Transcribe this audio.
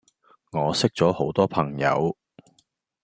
我識左好多朋友